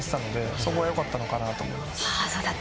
そこはよかったのかなと思います。